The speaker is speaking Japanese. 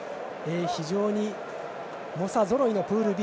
非常に猛者ぞろいのプールＢ。